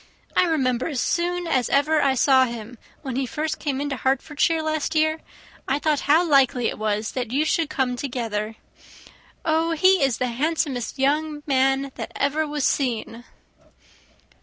I remember, as soon as ever I saw him, when he first came into Hertfordshire last year, I thought how likely it was that you should come together. Oh, he is the handsomest young man that ever was seen!"